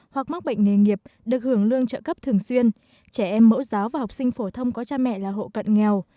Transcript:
hoặc mắc bệnh nghề nghiệp được hưởng lương trợ cấp thường xuyên trẻ em mẫu giáo và học sinh phổ thông có cha mẹ là hộ cận nghèo